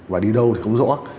và đi đâu thì không rõ